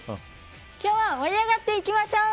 今日は盛り上がっていきましょー！